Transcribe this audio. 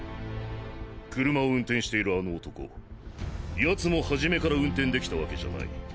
車を運転しているあの男奴も初めから運転できたわけじゃない。